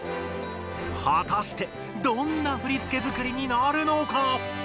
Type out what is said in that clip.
はたしてどんな振付づくりになるのか？